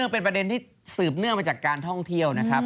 เป็นประเด็นที่สืบเนื่องมาจากการท่องเที่ยวนะครับ